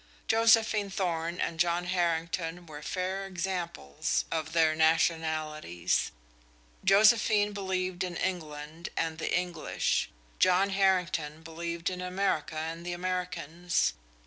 Josephine Thorn and John Harrington were fair examples of their nationalities. Josephine believed in England and the English; John Harrington believed in America and the Americans.